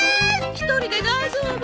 １人で大丈夫？